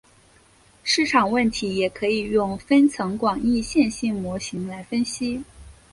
市场问题也可以用分层广义线性模型来分析。